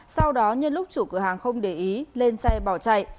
sau đó nhân lúc chủ cửa hàng không để ý lên xe bỏ chạy